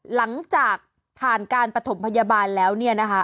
หลังจากผ่านการปฐมพยาบาลแล้วเนี่ยนะคะ